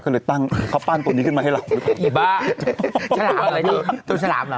เขาปั้นตัวนี้ขึ้นมาให้เรา